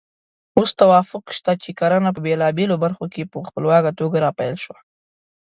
اوس توافق شته چې کرنه په بېلابېلو برخو کې په خپلواکه توګه راپیل شوه.